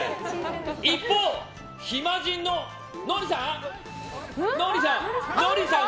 一方、暇人ののりさん。